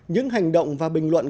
những hành động và bình luận